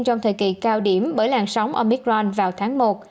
trong thời kỳ cao điểm bởi làn sóng omicron vào tháng một